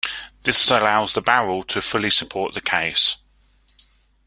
This allows the barrel to fully support the case.